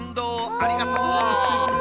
ありがとう。